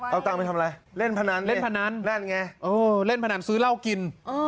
เอาตังไปทำอะไรเล่นพนันเล่นพนันซื้อเหล้ากิน